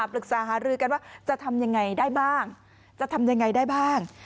ปรึกษาหารือกันว่าจะทำยังไงได้บ้างจะทำยังไงได้บ้าง